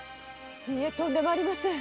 いいえとんでもありません。